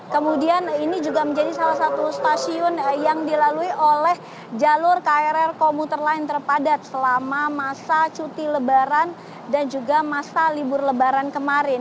kemudian ini juga menjadi salah satu stasiun yang dilalui oleh jalur krl komuter lain terpadat selama masa cuti lebaran dan juga masa libur lebaran kemarin